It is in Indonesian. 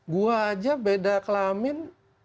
gua aja beda kelamin